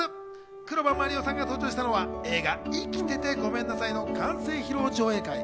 黒羽麻璃央さんが登場したのは、映画『生きててごめんなさい』の完成披露上映会。